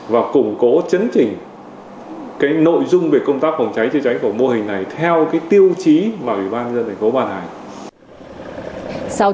và củng cố chấn chỉnh nội dung về công tác phòng cháy chữa cháy của mô hình này theo cái tiêu chí mà ủy ban dân thành phố bàn hành